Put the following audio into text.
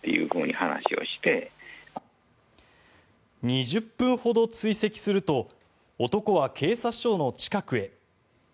２０分ほど追跡すると男は警察署の近くへ。